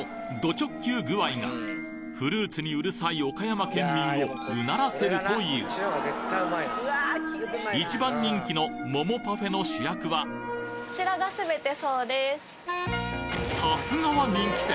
直球具合がフルーツにうるさい岡山県民を唸らせるという一番人気の桃パフェの主役はさすがは人気店！